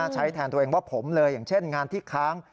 แทนตัวเองว่าผมเลยอย่างเช่นงานที่ค้าง